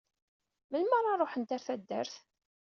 Melmi ara ruḥent ɣer taddart?